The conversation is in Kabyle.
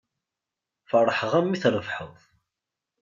Feṛḥeɣ-am mi trebḥeḍ.